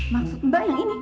maksud mbak yang ini